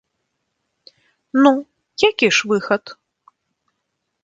Ну, які ж выхад?!